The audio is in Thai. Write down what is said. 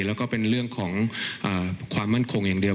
แล้วก็เป็นเรื่องของความมั่นคงอย่างเดียว